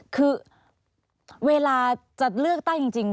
คือเวลาจะเลือกตั้งจริง